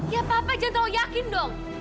ya papa jangan terlalu yakin dong